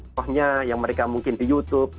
contohnya yang mereka mungkin di youtube